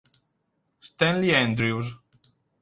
Stanley Andrews